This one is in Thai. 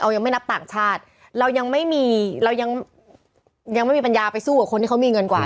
ยังไม่นับต่างชาติเรายังไม่มีเรายังยังไม่มีปัญญาไปสู้กับคนที่เขามีเงินกว่า